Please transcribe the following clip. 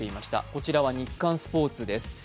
こちらは「日刊スポーツ」です。